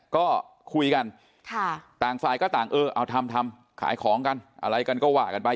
ก็คุยกันต่างฝ่ายก็ต่างเออเอาทำทำขายของกันอะไรกันก็ว่ากันไป